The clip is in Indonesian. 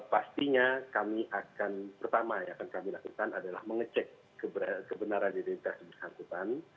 pastinya kami akan pertama yang akan kami lakukan adalah mengecek kebenaran identitas bersangkutan